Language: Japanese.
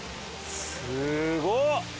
すごっ！